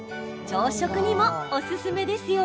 朝食にも、おすすめですよ。